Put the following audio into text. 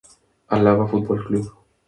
Álava Football Club.